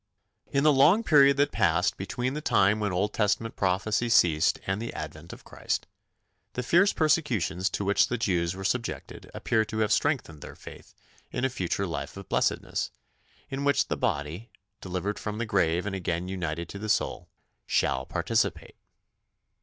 In the long period that passed between the time when Old Testament prophecy ceased and the advent of Christ, the fierce persecutions to which the Jews were subjected appear to have strengthened their faith in a future life of blessedness, in which the body, delivered from the grave and again united to the soul, shall participate.